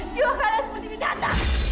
jiwa kalian seperti binatas